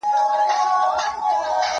شګه د کتابتوننۍ له خوا پاکيږي